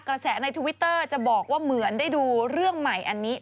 กระแสในทวิตเตอร์จะบอกว่าเหมือนได้ดูเรื่องใหม่อันนี้